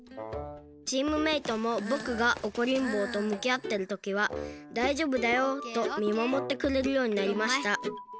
チームメートもぼくがおこりんぼうとむきあってるときは「だいじょうぶだよ」とみまもってくれるようになりました。